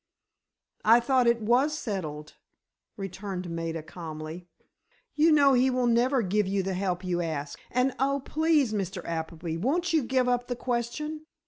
"I thought it was settled," returned Maida, calmly. "You know he will never give you the help you ask. And oh, please, Mr. Appleby, won't you give up the question?